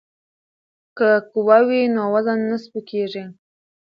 که قوه وي نو وزن نه سپکیږي.